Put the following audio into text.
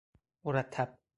مرتب